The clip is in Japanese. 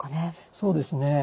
そうですね。